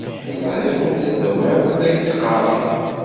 Ẓriɣ mazal tebɣiḍ ad ak-d-ɣɣareɣ.